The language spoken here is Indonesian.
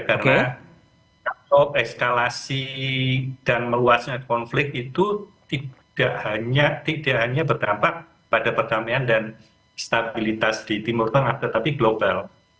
karena kalau eskalasi dan meluasnya konflik itu tidak hanya berdampak pada perdamaian dan stabilitas di timur tengah tetapi global